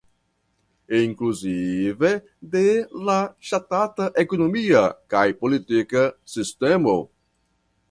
Inkluzive de la ŝtata ekonomia kaj politika sistemo.